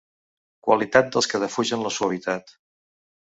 Qualitat dels que defugen la suavitat.